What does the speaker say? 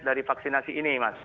dari vaksinasi ini mas